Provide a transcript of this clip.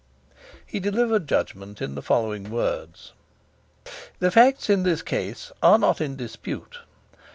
He delivered judgment in the following words: "The facts in this case are not in dispute.